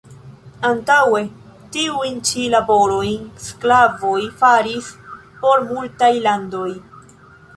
Antaŭe tiujn ĉi laborojn sklavoj faris por multaj landoj.